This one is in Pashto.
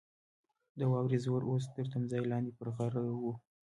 د واورې زور اوس تر تمځای لاندې پر غره وو.